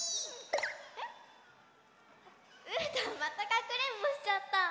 えっ⁉うーたんまたかくれんぼしちゃった！